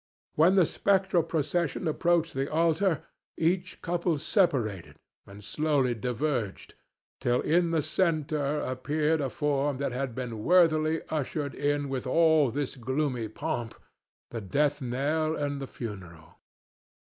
When the spectral procession approached the altar, each couple separated and slowly diverged, till in the centre appeared a form that had been worthily ushered in with all this gloomy pomp, the death knell and the funeral.